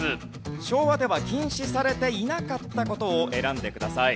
昭和では禁止されていなかった事を選んでください。